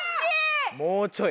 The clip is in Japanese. もうちょい。